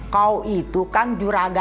kau itu kan juraganik